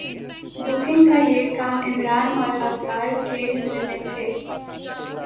booking کا یہ کام عمران اور افضال کے ذمے تھے